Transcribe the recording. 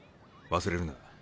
忘れるな。